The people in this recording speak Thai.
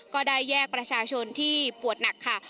ก็ได้แยกประชาชนที่ปวดหนักค่ะ